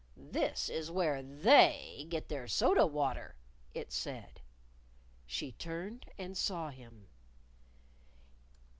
"This is where They get their soda water," it said. She turned, and saw him.